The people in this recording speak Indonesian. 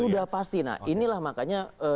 sudah pasti nah inilah makanya